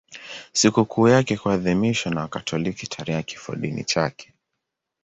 Sikukuu yake huadhimishwa na Wakatoliki tarehe ya kifodini chake.